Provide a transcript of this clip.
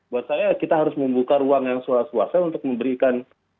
buat saya kita harus membuka ruang yang swasta untuk memberikan